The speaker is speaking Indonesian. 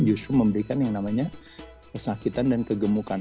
justru memberikan yang namanya kesakitan dan kegemukan